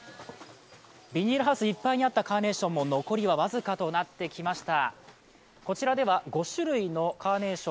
ビニールハウスいっぱいにあったカーネーションも残りは僅かとなってきました。